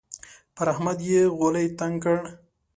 پر احمد يې غولی تنګ کړ.